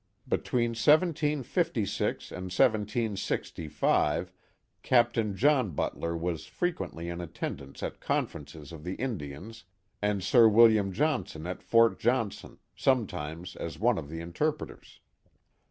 Between 1756 and 1765 Captain John Butler was frequently in attendance at conferences of the In dians and Sir William Johnson at Fort Johnson, sometimes as one of the interpreters.